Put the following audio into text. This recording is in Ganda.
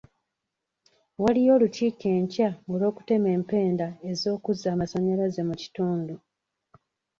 Waliyo olukiiko enkya olw'okutema empenda z'okuzza amasannyalaze mu kitundu.